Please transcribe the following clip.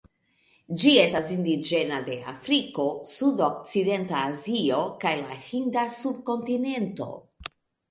Ĝi estas indiĝena de Afriko, Sudokcidenta Azio, kaj la Hinda subkontinento.